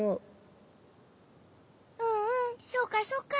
うんうんそうかそうか。